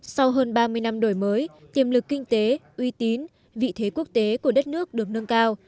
sau hơn ba mươi năm đổi mới tiềm lực kinh tế uy tín vị thế quốc tế của đất nước được nâng cao